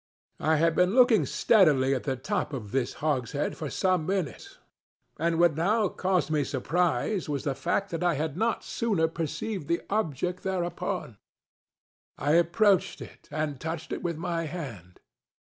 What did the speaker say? I had been looking steadily at the top of this hogshead for some minutes, and what now caused me surprise was the fact that I had not sooner perceived the object thereupon. I approached it, and touched it with my hand.